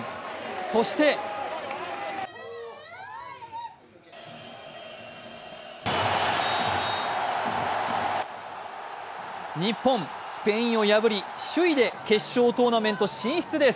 そして日本、スペインを破り首位で決勝トーナメント進出です。